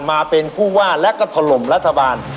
มาเป็นผู้ว่าและก็ถล่มรัฐบาล